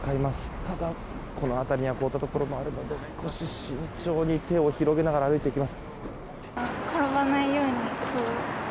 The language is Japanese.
ただ、この辺りには凍ったところもあるので少し慎重に手を広げながら歩いていきます。